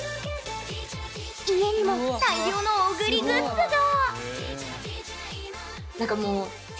家にも大量の小栗グッズが！